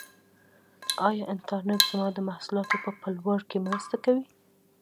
آیا انټرنیټ زما د محصولاتو په پلور کې مرسته کوي؟